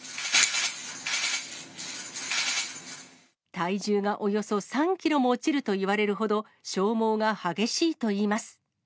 体重がおよそ３キロも落ちるといわれるほど、消耗が激しいといいます。